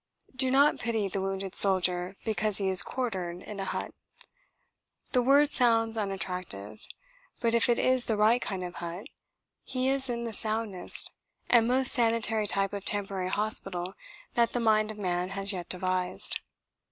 Do not pity the wounded soldier because he is quartered in a "hut." The word sounds unattractive. But if it is the right kind of hut, he is in the soundest and most sanitary type of temporary hospital that the mind of man has yet devised.